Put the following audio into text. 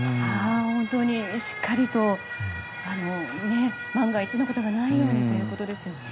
本当にしっかりと万が一のことがないようにということですね。